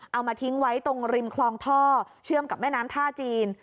เอามาทิ้งไว้ตรงริมคลองท่อเชื่อมกับแม่น้ำท่าจีน